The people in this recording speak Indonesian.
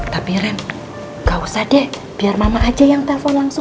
tapi rem gak usah deh biar mama aja yang telpon langsung